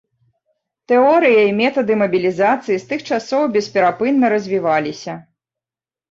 Тэорыя і метады мабілізацыі з тых часоў бесперапынна развіваліся.